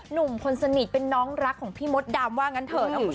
หนุ่มคนสนิทเป็นน้องรักของพี่มดดำว่างั้นเถอะนะคุณผู้ชม